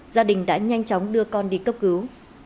gia đình đã nhanh chóng đưa con đi cấp cứu